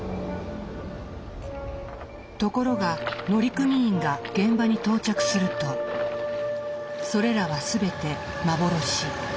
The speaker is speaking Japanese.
ところが乗組員が現場に到着するとそれらは全て幻。